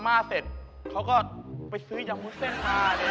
ลาดประเขาคือ